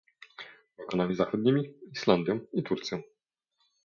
Bałkanami Zachodnimi, Islandią i Turcją